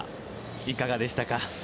いかがでしたか。